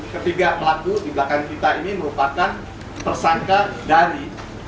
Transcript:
ketiga pelaku di belakang kita ini merupakan tersangka dari